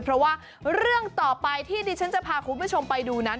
เพราะว่าเรื่องต่อไปที่ดิฉันจะพาคุณผู้ชมไปดูนั้น